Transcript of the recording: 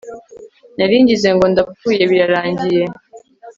naringize ngo ndapfuye birarangiye